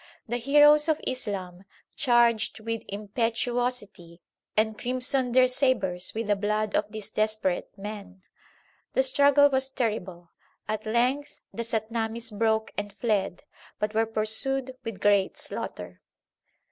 The heroes of Islam charged with impetuosity and crimsoned their sabres with the blood of these desperate men. The struggle was terrible. At length the Satnamis broke and fled, but were pursued with great slaughter.